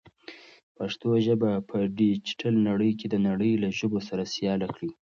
پښتو ژبه په ډیجیټل نړۍ کې د نړۍ له ژبو سره سیاله کړئ.